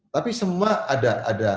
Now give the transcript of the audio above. tapi semua ada